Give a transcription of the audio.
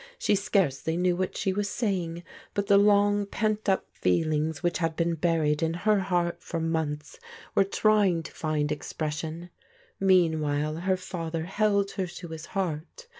She scarcely knew what she was saying, but the long pent up feelings which had been buried in her heart for months, were trying to find expression. Meanwhile, her father held her to his heart.